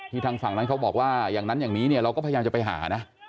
ที่ทางฝั่งเขาบอกว่าอย่างนั้นอย่างนี้เราก็พยายามจะไปหานะ